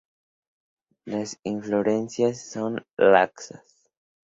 Las inflorescencias son laxas.